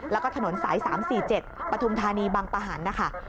แล้วก็ถนนสาย๓๔๗ปฐุมธานีบังปะหันนะคะ